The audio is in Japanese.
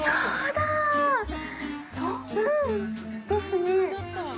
ですね。